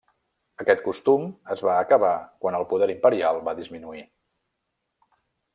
Aquest costum es va acabar quan el poder imperial va disminuir.